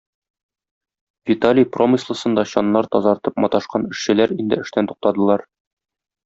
Виталий промыслосында чаннар тазартып маташкан эшчеләр инде эштән туктадылар.